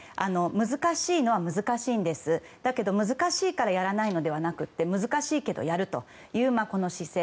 難しいのは難しいんですが難しいからやらないのではなくて難しいけどやるという姿勢。